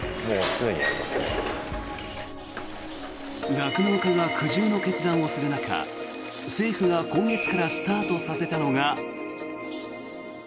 酪農家が苦渋の決断をする中政府が今月からスタートさせたのが。